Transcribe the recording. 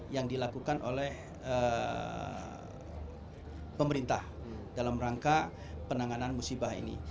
yang dilakukan oleh pemerintah dalam rangka penanganan musibah ini